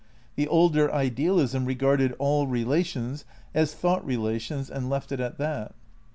The older idealism re garded all relations as thought relations and left it at that.